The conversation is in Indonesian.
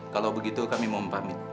kalau begitu kami mau pamit